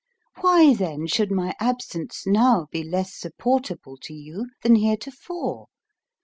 Why, then, should my absence now be less supportable to you than heretofore?